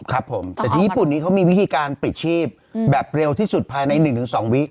ครับผมแต่ที่ญี่ปุ่นนี้เขามีวิธีการปลิดชีพแบบเร็วที่สุดภายใน๑๒วิ